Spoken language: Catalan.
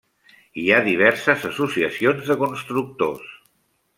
Hi ha diverses associacions de constructors.